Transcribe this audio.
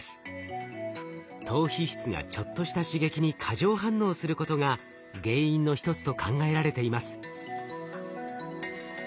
島皮質がちょっとした刺激に過剰反応することが原因の一つと考えられています。